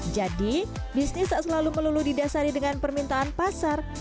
bisnis tak selalu melulu didasari dengan permintaan pasar